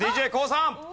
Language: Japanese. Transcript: ＤＪＫＯＯさん。